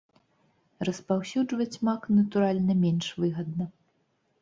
Распаўсюджваць мак, натуральна, менш выгадна.